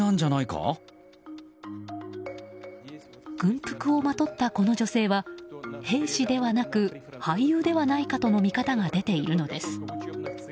軍服をまとったこの女性は兵士ではなく、俳優ではないかとの見方が出ているのです。